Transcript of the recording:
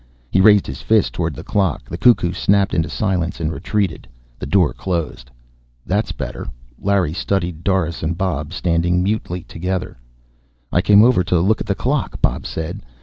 He raised his fist toward the clock. The cuckoo snapped into silence and retreated. The door closed. "That's better." Larry studied Doris and Bob, standing mutely together. "I came over to look at the clock," Bob said.